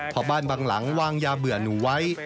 พอบ้านบางหลังวางยาเบื่อหนูไว้